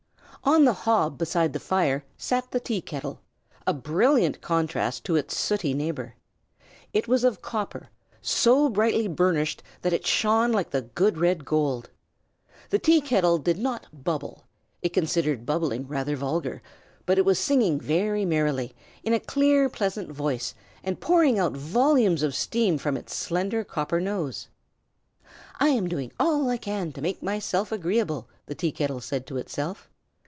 On the hob beside the fire sat the tea kettle, a brilliant contrast to its sooty neighbor. It was of copper, so brightly burnished that it shone like the good red gold. The tea kettle did not bubble, it considered bubbling rather vulgar; but it was singing very merrily, in a clear pleasant voice, and pouring out volumes of steam from its slender copper nose. "I am doing all I can to make myself agreeable!" the tea kettle said to itself.